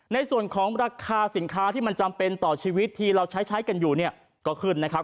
ในส่วนของราคาสินค้าที่มันจำเป็นต่อชีวิตที่เราใช้ใช้กันอยู่เนี่ยก็ขึ้นนะครับ